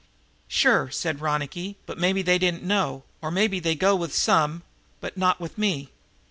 "Sure," said Ronicky, "but maybe they didn't know, or maybe they go with some, but not with me.